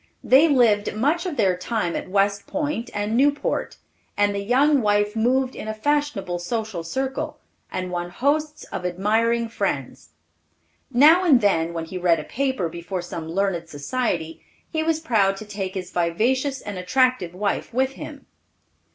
They lived much of their time at West Point and Newport, and the young wife moved in a fashionable social circle, and won hosts of admiring friends. Now and then, when he read a paper before some learned society, he was proud to take his vivacious and attractive wife with him.